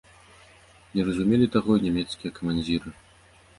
Не разумелі таго і нямецкія камандзіры.